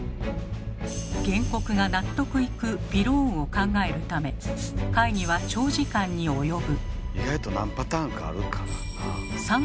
原告が納得いくびろーんを考えるため会議は長時間に及ぶ。